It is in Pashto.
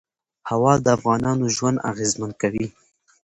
هوا د افغانانو ژوند اغېزمن کوي.